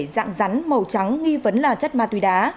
dạng rắn màu trắng nghi vấn là chất ma túy đá